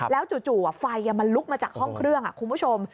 แล้วจู่ไฟมันลุกมาจากห้องเครื่องคุณผู้ชม